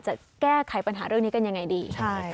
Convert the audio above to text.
จะแก้ไขปัญหาเรื่องนี้กันยังไงดี